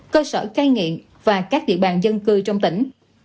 cơ sở cai nghiện và các địa bàn dân cư trong tỉnh